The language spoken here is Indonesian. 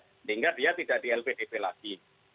sehingga dia tidak di lpdp lagi